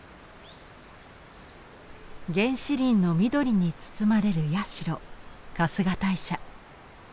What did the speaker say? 原始林の緑に包まれる社春日大社。